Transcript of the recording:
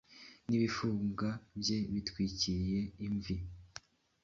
N'ibifunga bye bitwikiriye imvi.